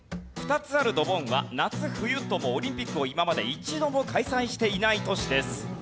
２つあるドボンは夏冬ともオリンピックを今まで一度も開催していない都市です。